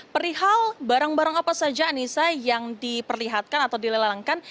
perihal barang barang apa saja anissa yang diperlihatkan atau dilelangkan